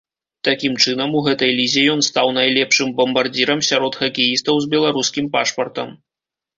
Такім чынам у гэтай лізе ён стаў найлепшым бамбардзірам сярод хакеістаў з беларускім пашпартам.